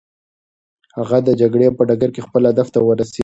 هغه د جګړې په ډګر کې خپل هدف ته ورسېد.